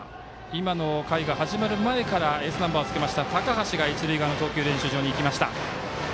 今の回が始まる前からエースナンバーがつけました高橋が一塁側の投球練習場にいきました。